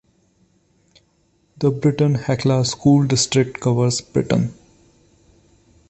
The Britton-Hecla school district covers Britton.